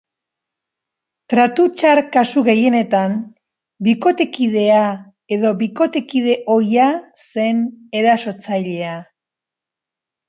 Tratu txar kasu gehienetan bikotekidea edo bikotekide ohia zen erasotzailea.